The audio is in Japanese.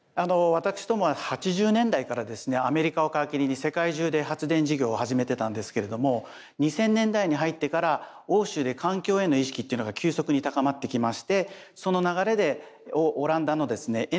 私どもは８０年代からですねアメリカを皮切りに世界中で発電事業を始めてたんですけれども２０００年代に入ってから欧州で環境への意識というのが急速に高まってきましてその流れでオランダのですね